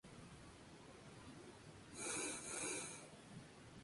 Presentan dos tramos bien diferenciados.